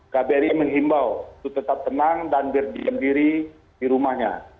kbri menghimbau untuk tetap tenang dan berdiri di rumahnya